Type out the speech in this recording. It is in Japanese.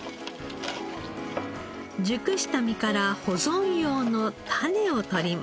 熟した実から保存用の種を取ります。